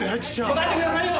答えてくださいよ！